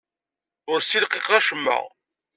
Ur ssilqiqeɣ acemma.